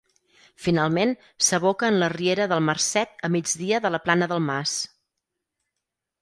Finalment, s'aboca en la riera del Marcet a migdia de la Plana del Mas.